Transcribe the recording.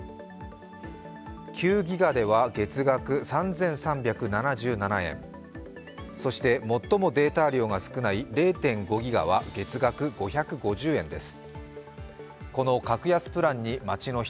９ギガでは月額３３７７円、そして最もデータ量が少ない０．５ギガは月額５５０円です。